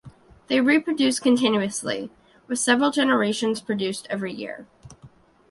They reproduce continuously, with several generations produced every year.